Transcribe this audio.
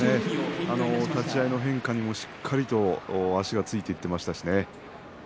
立ち合いの変化にもしっかりとついていきましたね。